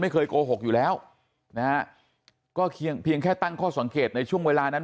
ไม่เคยโกหกอยู่แล้วก็เพียงแค่ตั้งข้อสังเกตในช่วงเวลานั้น